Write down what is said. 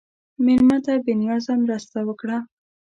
مېلمه ته بې نیازه مرسته وکړه.